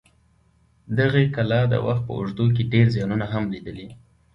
دغې کلا د وخت په اوږدو کې ډېر زیانونه هم لیدلي.